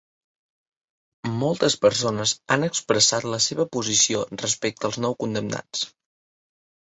Moltes persones han expressat la seva posició respecte als nou condemnats.